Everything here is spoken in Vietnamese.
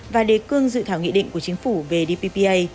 và đề cương dự thảo nghị định của chính phủ về dppa